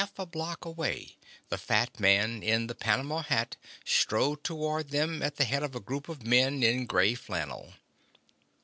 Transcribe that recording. Half a block away the fat man in the panama hat strode toward them at the head of a group of men in grey flannel.